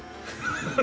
ハハハハ！